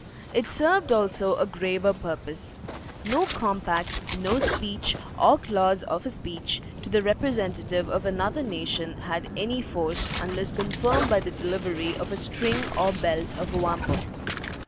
It served also a graver purpose. No compact, no speech, or clause of a speech, to the representative of another nation, had any force, unless confirmed by the delivery of a string or belt of wampum.